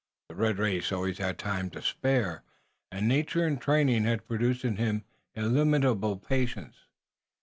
The red race always had time to spare, and nature and training had produced in him illimitable patience.